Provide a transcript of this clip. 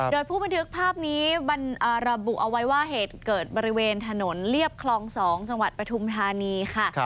โดยผู้บันทึกภาพนี้ระบุเอาไว้ว่าเหตุเกิดบริเวณถนนเรียบคลอง๒จังหวัดปฐุมธานีค่ะ